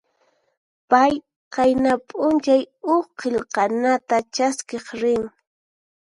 Pay qayna p'unchay huk qillqanata chaskiq rin.